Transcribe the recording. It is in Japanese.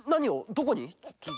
どこに？